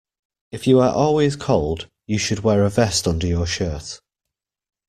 If you are always cold, you should wear a vest under your shirt